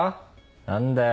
何だよ。